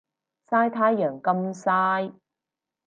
曬太陽咁曬